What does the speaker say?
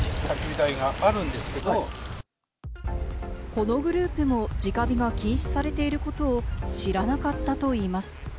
このグループも直火が禁止されていることを知らなかったといいます。